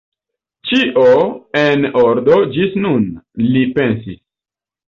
Ĉio en ordo ĝis nun, li pensis.